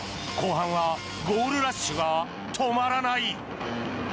後半はゴールラッシュが止まらない。